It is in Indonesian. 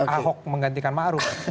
ahok menggantikan marut